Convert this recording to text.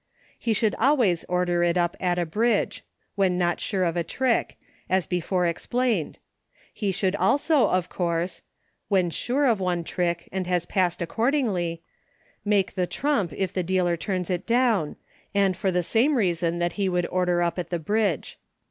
He should always order it up at a Bridge, — when not sure of a trick, — as before explained ; he should also, of course, (when sure of one trick and has passed accordingly,) make the trump, if the dealer turns it down, and for the same reason that he would order up at the Bridge.